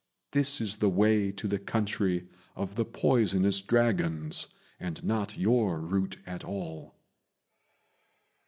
This is the way to the country of the Poisonous Dragons, and not your route at all."